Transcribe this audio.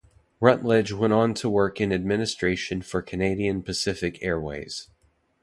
Rutledge went on to work in administration for Canadian Pacific Airways.